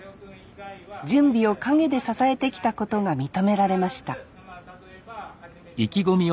準備を陰で支えてきたことが認められました